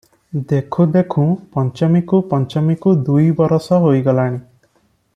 ଦେଖୁଁ ଦେଖୁଁ ପଞ୍ଚମୀକୁ ପଞ୍ଚମୀକୁ ଦୁଇ ବରଷ ହୋଇଗଲାଣି ।